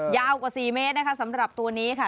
ยาวกว่า๔เมตรนะคะสำหรับตัวนี้ค่ะ